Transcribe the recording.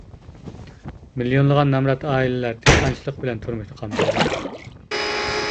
مىليونلىغان نامرات ئائىلىلەر دېھقانچىلىق بىلەن تۇرمۇشىنى قامدايدۇ.